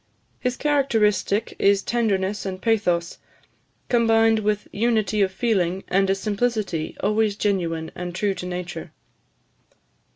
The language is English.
His characteristic is tenderness and pathos, combined with unity of feeling, and a simplicity always genuine and true to nature.